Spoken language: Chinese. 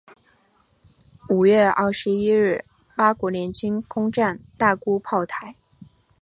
五月二十一日八国联军攻战大沽炮台。